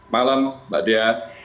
malam mbak diat